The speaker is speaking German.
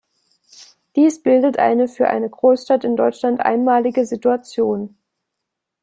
Dies bildet eine für eine Großstadt in Deutschland einmalige Situation.